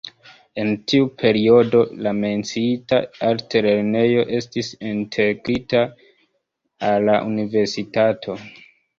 En tiu periodo la menciita altlernejo estis integrita al la universitato.